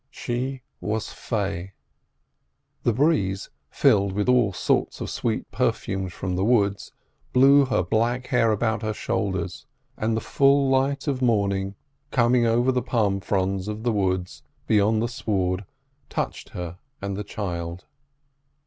She was fey. The breeze, filled with all sorts of sweet perfumes from the woods, blew her black hair about her shoulders, and the full light of morning coming over the palm fronds of the woods beyond the sward touched her and the child.